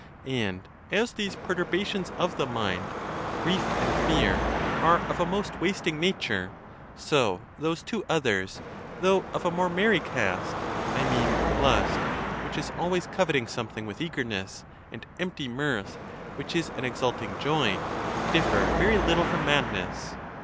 And as these perturbations of the mind, grief and fear, are of a most wasting nature, so those two others, though of a more merry cast (I mean lust, which is always coveting something with eagerness, and empty mirth, which is an exulting joy), differ very little from madness.